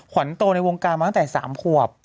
ขวัญโตในวงการมาตั้งแต่๓ขวบ